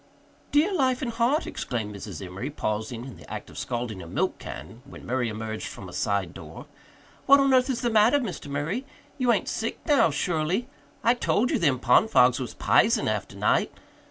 "Dear life and heart!" exclaimed Mrs. Emory, pausing in the act of scalding a milk can when Murray emerged from a side door. "What on earth is the matter, Mr. Murray? You ain't sick now, surely? I told you them pond fogs was p'isen after night!